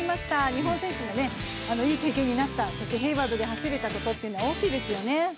日本人選手もいい経験になった、そしてヘイワードで走れたというのは大きいですよね。